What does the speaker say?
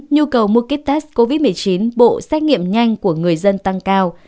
nhu cầu mua kit test covid một mươi chín bộ xét nghiệm nhanh của người dân tăng cao